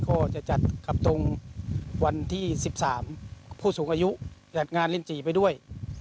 ก็จะจัดขับตรงวันที่๑๓ผู้สูงอายุจัดงานลินจีไปด้วย